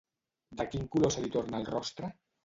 De quin color se li torna el rostre?